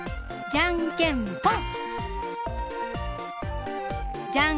じゃんけんぽん！